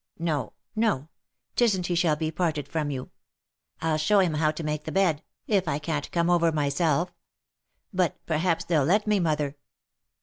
No, no, 'tisn't he shall be parted from you ; I'll show him how to make the bed, if I can't come over myself; but perhaps they'll let me, mother